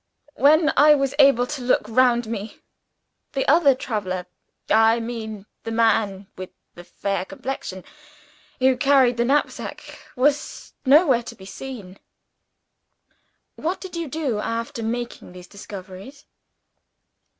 When I was able to look round me, the other traveler I mean the man with the fair complexion, who carried the knapsack was nowhere to be seen." "What did you do, after making these discoveries?"